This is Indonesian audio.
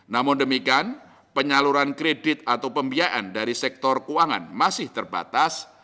namun demikian penyaluran kredit atau pembiayaan dari sektor keuangan masih terbatas